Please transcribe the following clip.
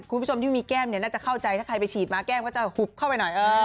คุณผู้ชมที่มีแก้มเนี่ยน่าจะเข้าใจถ้าใครไปฉีดมาแก้มก็จะหุบเข้าไปหน่อย